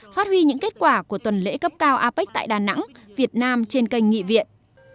phát huy những kết quả của tuần lễ cấp cao apec tại đà nẵng việt nam trên kênh nghị viện